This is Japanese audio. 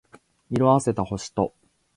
色褪せた星と